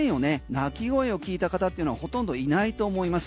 鳴き声を聞いた方っていうのはほとんどいないと思います。